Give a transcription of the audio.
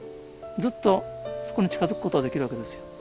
ずっとそこに近づくことはできるわけですよ。